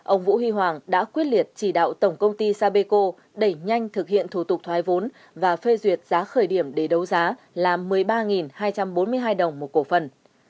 ông vũ huy hoàng đã quyết liệt chỉ đạo tổng công ty sapeco đẩy nhanh thực hiện thủ tục thoái vốn và phê duyệt giá khởi điểm để đấu giá là một mươi ba hai trăm bốn mươi hai đồng một cổ phần